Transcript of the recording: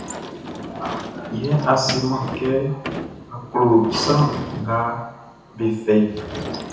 Yɛ a seman kɛ a klo sran nga be fɛʼn.